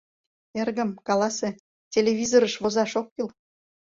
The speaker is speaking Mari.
Эргым, каласе, телевизырыш возаш ок кӱл.